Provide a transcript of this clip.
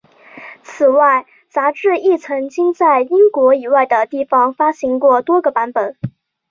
此外杂志亦曾经在英国以外的地方发行过多个版本。